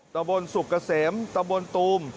ตะโบลสุขเกษมตะโบลตูม